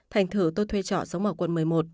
thành thử tôi thuê trọ sống ở quận một mươi một